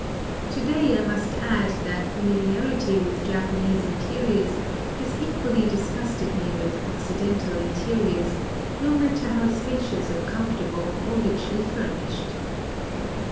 To day I must add that familiarity with Japa nese interiors has equally disgusted me with IN OSAKA 175 Occidental interiors, no matter how spacious or comfortable or ricUy furnished.